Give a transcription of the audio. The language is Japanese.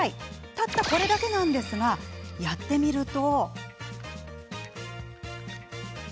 たった、これだけなんですがやってみると。